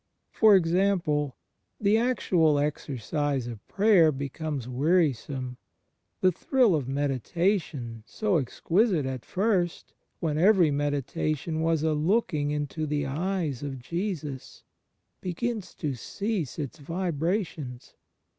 For example, the actual exercise of prayer becomes wearisome; the thrill of meditation, so exquisite at first, when every meditation was a looking into the eyes of Jesus, begins to cease its vibrations.